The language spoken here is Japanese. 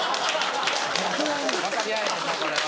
分かり合えへんなこれは。